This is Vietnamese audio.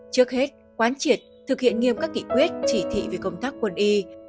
trước hết quan triệt thực hiện nghiêm các kỷ quyết chỉ thị về công tác quân y